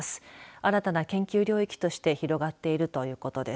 新たな研究領域として広げられているということです。